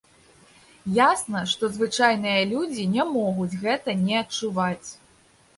Ясна, што звычайныя людзі не могуць гэта не адчуваць.